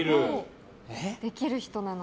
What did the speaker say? できる人なので。